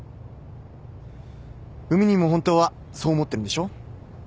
海兄も本当はそう思ってるんでしょ？